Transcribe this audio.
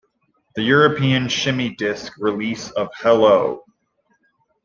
The European Shimmy Disc release of Hell-O!